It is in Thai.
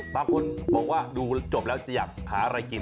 บางคนบอกว่าดูจบแล้วจะอยากหาอะไรกิน